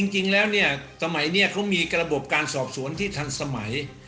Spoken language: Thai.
จริงแล้วเนี่ยสมัยนี้เขามีระบบการสอบสวนที่ทันสมัย